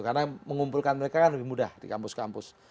karena mengumpulkan mereka kan lebih mudah di kampus kampus